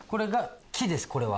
木ですこれは。